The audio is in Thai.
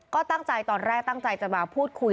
ก็ตั้งใจตอนแรกตั้งใจจะมาพูดคุย